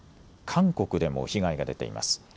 韓国でも被害が出ています。